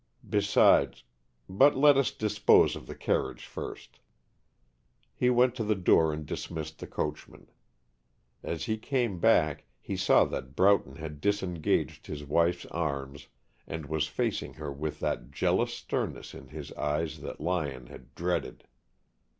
Besides, but let us dispose of the carriage, first." He went to' the door and dismissed the coachman. As he came back, he saw that Broughton had disengaged his wife's arms and was facing her with that jealous sternness in his eyes that Lyon had dreaded.